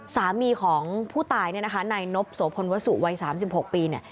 สามีของผู้ตายในนบโสพลวสุวัย๓๖ปี